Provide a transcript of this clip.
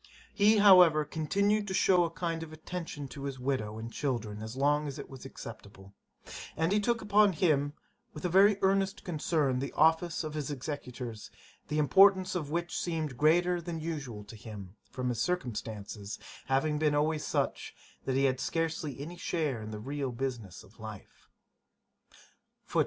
He, however continued to shew a kind attention to his widow and children as long as it was acceptable; and he took upon him, with a very earnest concern, the office of one of his executors, the importance of which seemed greater than usual to him, from his circumstances having been always such, that he had scarcely any share in the real business of life.